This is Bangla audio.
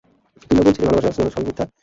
তুই না বলছিলি ভালোবাসা, স্নেহ সবই মিথ্যা।